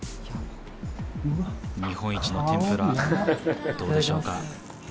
日本一の天ぷらどうでしょうか？